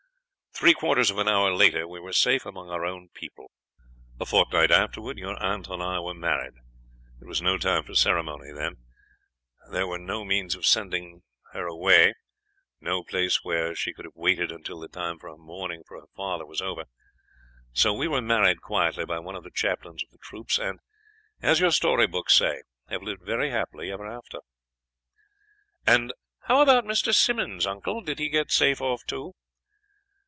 "Three quarters of an hour later we were safe among our own people. A fortnight afterwards your aunt and I were married. It was no time for ceremony then; there were no means of sending her away; no place where she could have waited until the time for her mourning for her father was over. So we were married quietly by one of the chaplains of the troops, and, as your storybooks say, have lived very happily ever after." "And how about Mr. Simmonds, uncle? Did he get safe off too?"